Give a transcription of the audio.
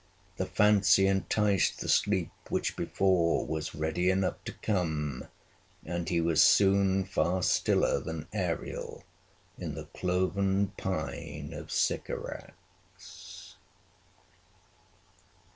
The fancy enticed the sleep which before was ready enough to come, and he was soon far stiller than Ariel in the cloven pine of Sycorax.